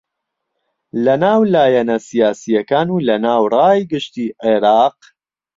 لەناو لایەنە سیاسییەکان و لەناو ڕای گشتی عێراق